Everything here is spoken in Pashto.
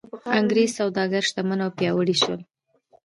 انګرېز سوداګر شتمن او پیاوړي شول.